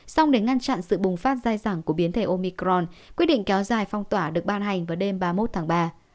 xong để ngăn chặn sự bùng phát dai dẳng của biến thể omicron quyết định kéo dài phong tỏa được ban hành vào đêm ba mươi một tháng ba